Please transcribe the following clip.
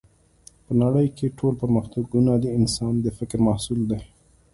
په نړۍ کې ټول پرمختګونه د انسان د فکر محصول دی